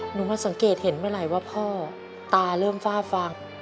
หนูมาสังเกตเห็นเมื่อไหร่ว่าพ่อตาเริ่มฝ้าฟาง